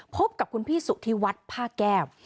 พบกับคุณพี่สุธิวัฒน์ผ้าแก้ว